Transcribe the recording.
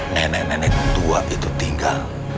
nenek nenek tua itu tinggal